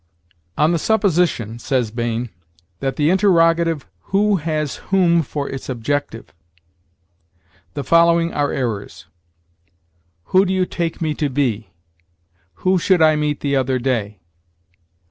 "On the supposition," says Bain, "that the interrogative who has whom for its objective, the following are errors: 'who do you take me to be?' 'who should I meet the other day?'